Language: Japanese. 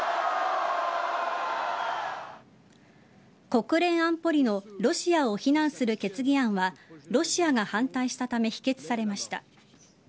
国連安保理のロシアを非難する決議案はロシアが反対したため否決されました。